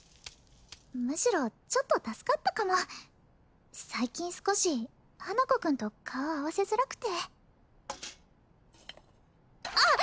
むしろちょっと助かったかも最近少し花子くんと顔合わせづらくてあっ！